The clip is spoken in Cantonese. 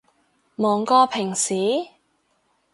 忙過平時？